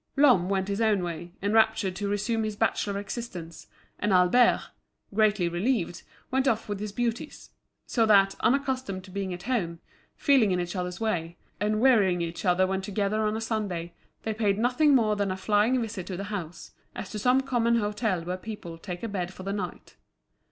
Lhomme went his own way, enraptured to resume his bachelor existence, and Albert, greatly relieved, went off with his beauties; so that, unaccustomed to being at home, feeling in each other's way, and wearying each other when together on a Sunday, they paid nothing more than a flying visit to the house, as to some common hôtel where people take a bed for the night.